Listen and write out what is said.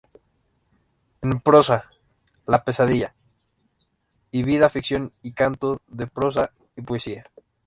En prosa: "La Pesadilla"; y "Vida, Ficción y Canto", de prosa y poesía.